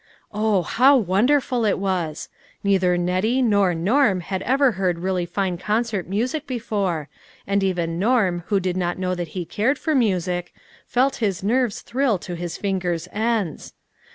Oh ! how wonder ful it was. Neither Nettie nor Norm had ever heard really fine concert music before, and even Norm who did not know that he cared for music, felt his nerves thrill to his fingers' ends.